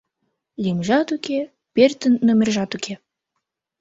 Лӱмжат уке, пӧртын номержат уке.